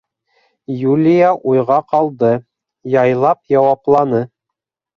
Юлия уйға ҡалды, яйлап яуапланы: